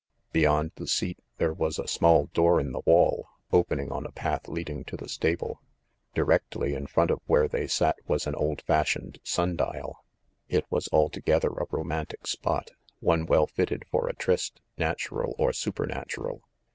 j Beyond the seat there was a small door in the wall, opening on a path leading to the stable. Directly in front of where they sat was an old fashioned sun dial. It was altogether a romantic spot, one well fitted for a tryst, natural or supernatural.